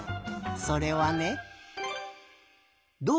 それはね。